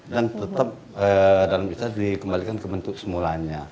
dan tetap dalam kita dikembalikan ke bentuk semulanya